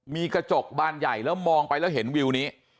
มีกระจกบานใหญ่แล้วมองไปแล้วเห็นวิวนี้